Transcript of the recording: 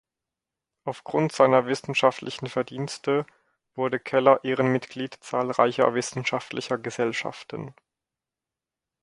Aufgrund seiner wissenschaftlichen Verdienste wurde Keller Ehrenmitglied zahlreicher wissenschaftlicher Gesellschaften.